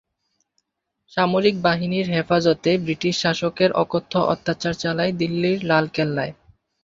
সামরিক বাহিনীর হেফাজতে বৃটিশ শাসকের অকথ্য অত্যাচার চালায় দিল্লির লালকেল্লায়।